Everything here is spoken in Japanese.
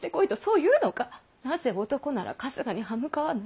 なぜ男なら春日に刃向かわぬ！